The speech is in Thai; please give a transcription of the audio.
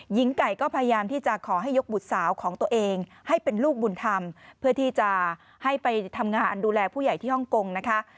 หญิงไก่ก็พยายามที่จะขอให้ยกบุตรสาวของตัวเองให้เป็นลูกบุญธรรมเพื่อที่จะให้ไปทำงานดูแลผู้ใหญ่ที่ฮ่องกงนะคะ